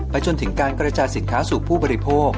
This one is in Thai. จนถึงการกระจายสินค้าสู่ผู้บริโภค